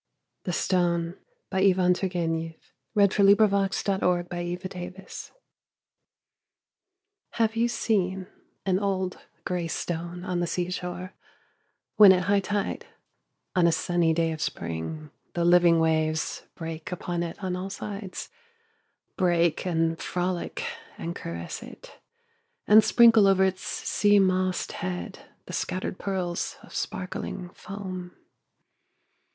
face of Christ. Dec, 1878. 304 POEMS IN PROSE n [1879 1882] THE STONE Have you seen an old grey stone on the sea shore, when at high tide, on a sunny day of spring, the living waves break upon it on all sides — break and frolic and caress it — and sprinkle over its sea mossed head the scattered pearls of sparkling foam